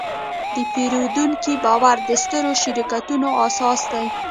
د پیرودونکي باور د سترو شرکتونو اساس دی.